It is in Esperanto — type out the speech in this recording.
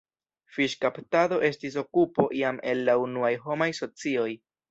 Fiŝkaptado estis okupo jam el la unuaj homaj socioj.